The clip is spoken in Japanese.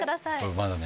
まだね